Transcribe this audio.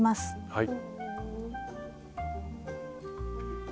はい。